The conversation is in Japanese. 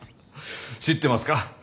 知ってますか？